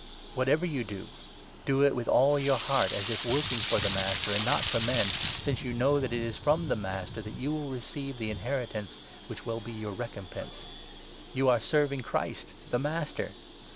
Whatever you do, do it with all your heart, as if 23 working for the Master and not for men, since you know that 24 it is from the Master that you will receive the inheritance which will be your recompense. You are serving Christ, the Master.